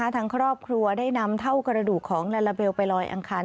ทางครอบครัวได้นำเท่ากระดูกของลาลาเบลไปลอยอังคาร